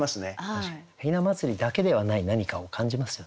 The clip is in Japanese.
確かに雛祭りだけではない何かを感じますよね。